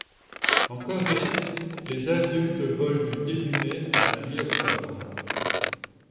En Corée, les adultes volent du début mai à la mi-octobre.